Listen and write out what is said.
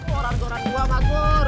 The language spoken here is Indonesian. orang orang gua mak gur